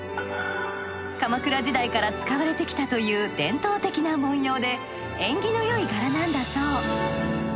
鎌倉時代から使われてきたという伝統的な文様で縁起のよい柄なんだそう。